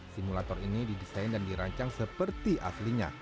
simulator ini didesain dan dirancang seperti aslinya